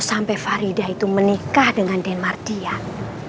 sampai farida itu menikah dengan denmar dian